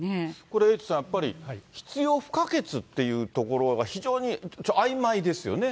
これ、エイトさん、やっぱり必要不可欠っていうところが非常にあいまいですよね。